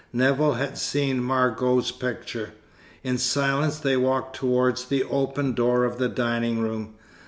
Nevill had seen Margot's picture. In silence they walked towards the open door of the dining room.